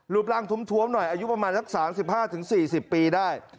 รูปร่างท้วมหน่อยอายุประมาณสัก๓๕๔๐ปีได้